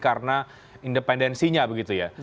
karena independensinya begitu ya